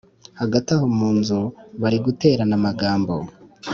Hagati aho m’unzu bari guterana amagambo